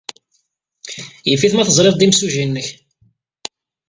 Yif-it ma teẓrid-d imsujji-nnek.